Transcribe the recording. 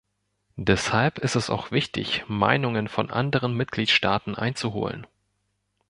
Deshalb ist es auch wichtig, Meinungen von anderen Mitgliedstaaten einzuholen.